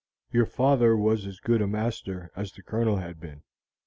Your father was as good a master as the Colonel had been.